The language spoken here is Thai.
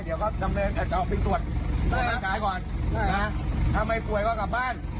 เดี๋ยวก็สำเร็จออกฟินตรวจสวนทางปลายก่อนนะถ้าไม่กลัวอยากกลับบ้าน